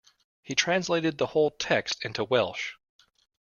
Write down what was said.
He translated the whole text into Welsh.